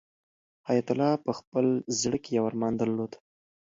حیات الله په خپل زړه کې یو ارمان درلود.